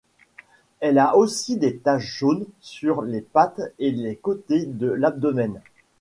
Elle a aussi des taches jaunes sur les pattes et les côtés de l'abdomen.